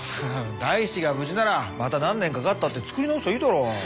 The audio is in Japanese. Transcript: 大志が無事ならまた何年かかったって作り直しゃいいだろ。